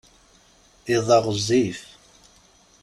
Iḍ-a ɣezzif.